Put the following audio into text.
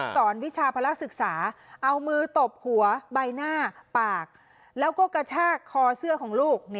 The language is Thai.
วิชาภาระศึกษาเอามือตบหัวใบหน้าปากแล้วก็กระชากคอเสื้อของลูก